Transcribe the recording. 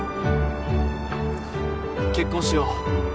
結婚しよう